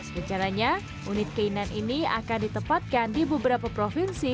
rencananya unit k sembilan ini akan ditempatkan di beberapa provinsi